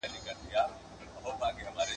د ارغنداب سیند د کرهڼیز تولید لپاره حیاتي دی.